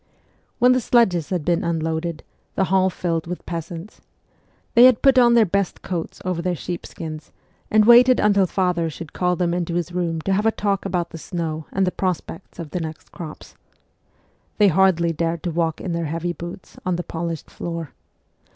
When the sledges had been unloaded, the hall filled with peasants. They had put on their best coats over their sheepskins, and waited until father should call them into his room to have a talk about the snow and the prospects of the next crops. They hardly dared to walk in their heavy boots on the polished floor.